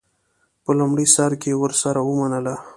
په لومړي سر کې ورسره ومنله.